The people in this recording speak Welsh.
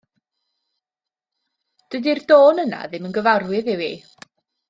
Dydi'r dôn yna ddim yn gyfarwydd i fi.